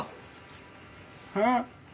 えっ？